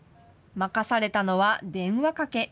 任されたのは電話かけ。